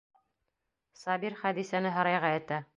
Сабир Хәҙисәне һарайға этә.